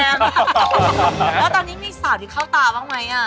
แล้วตอนนี้มีสาวที่เข้าตาบ้างไหม